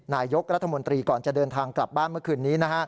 นายกรัฐมนตรีก่อนจะเดินทางกลับบ้านเมื่อคืนนี้